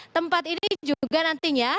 tempat ini juga nantinya